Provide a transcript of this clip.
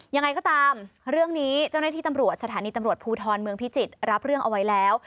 ยังไงก็ตามเรื่องนี้เจ้าหน้าที่ตำรวจสถานีตำรวจภูทรเมืองพิจิตรรับเรื่องเอาไว้แล้ว